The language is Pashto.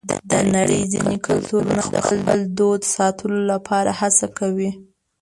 د نړۍ ځینې کلتورونه د خپل دود ساتلو لپاره هڅه کوي.